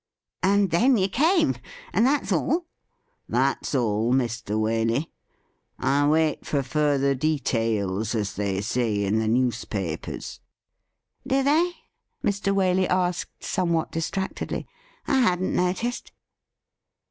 ' And then you came — and that's all .?'' That's all, Mr. Waley. I wait for further details, as they say in the newspapers.' 'Do they.?' Mr. Waley asked somewhat distractedly. ' I hadn't noticed.'